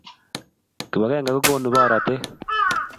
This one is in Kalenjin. Kipakenge kokonu boratet